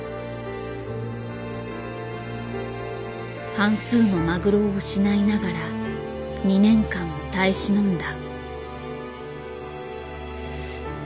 半数のマグロを失いながら２年間を耐え忍んだ。